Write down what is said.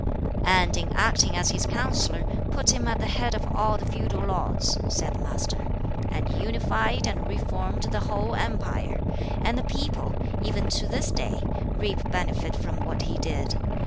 "And in acting as his counsellor put him at the head of all the feudal lords," said the Master, "and unified and reformed the whole empire; and the people, even to this day, reap benefit from what he did.